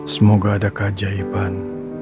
semoga ada keajaiban